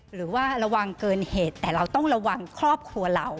หรือว่าระวังเกินเหตุแต่เราต้องระวังครอบครัวเรา